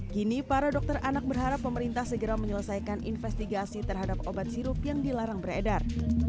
kini para dokter anak berharap pemerintah segera menyelesaikan investigasi terhadap obat sirup yang dilarang beredar